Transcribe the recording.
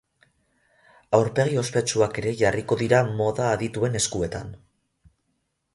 Aurpegi ospetsuak ere jarriko dira moda adituen eskuetan.